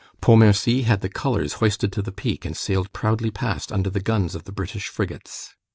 Pontmercy had the colors hoisted to the peak, and sailed proudly past under the guns of the British frigates.